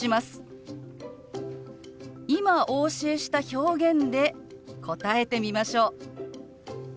今お教えした表現で答えてみましょう。